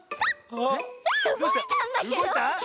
あうごいたんだけど！